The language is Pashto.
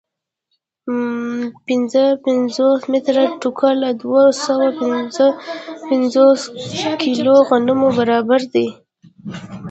پنځه پنځوس متره ټوکر له دوه سوه پنځه پنځوس کیلو غنمو برابر دی